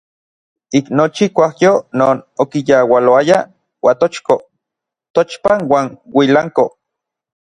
Ik nochi kuajyo non okiyaualoaya Uatochko, Tochpan uan Uilanko.